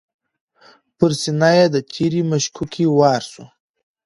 پر سینه یې د تیرې مشوکي وار سو